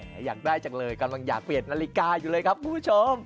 และอยากได้จังเลยกำลังอยากเปลี่ยนนาฬิกาอยู่เลยครับคุณผู้ชม